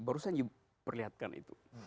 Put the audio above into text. barusan you perlihatkan itu